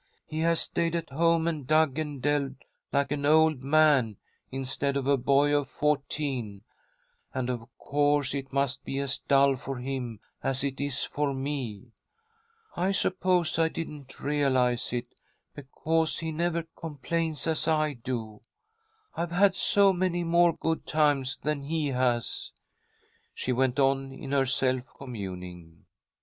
He has stayed at home and dug and delved like an old man instead of a boy of fourteen, and of course it must be as dull for him as it is for me. I suppose I didn't realize it, because he never complains as I do. I've had so many more good times than he has," she went on in her self communing.